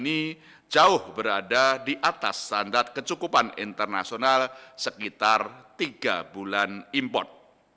ini jauh berada di atas standar kecukupan internasional sekitar tiga bulan import